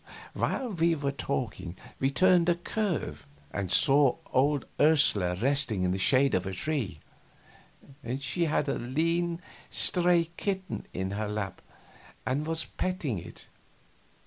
While we were talking we turned a curve and saw old Ursula resting in the shade of a tree, and she had a lean stray kitten in her lap and was petting it.